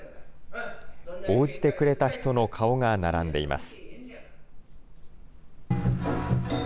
応じてくれた人の顔が並んでいます。